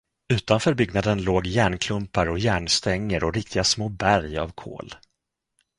Utanför byggnaden låg järnklumpar och järnstänger och riktiga små berg av kol.